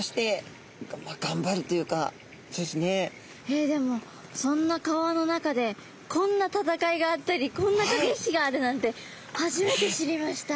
えっでもそんな川の中でこんな戦いがあったりこんなかけ引きがあるなんて初めて知りました。